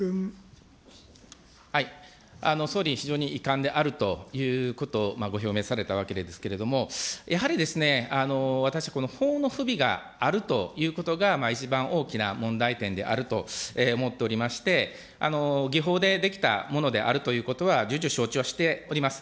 総理、非常に遺憾であるということをご表明されたわけなんですけれども、やはりですね、私、この法の不備があるということが、一番大きな問題点であると思っておりまして、議法で出来たものであるということは、じゅうじゅう承知をしております。